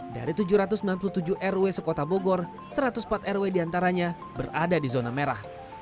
dari tujuh ratus sembilan puluh tujuh rw sekota bogor satu ratus empat rw diantaranya berada di zona merah